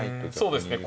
そうですね。